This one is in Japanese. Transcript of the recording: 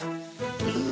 うん。